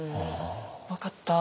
「分かった。